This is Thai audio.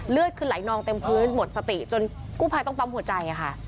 เลือดคือไหลนองเต็มพื้นหมดสติจนกู้ภัยต้องปั๊มหัวใจค่ะ